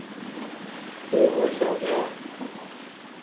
بے ہوش ہوگیا